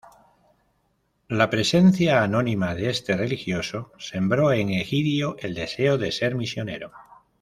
La presencia anónima de este religioso sembró en Egidio el deseo de ser misionero.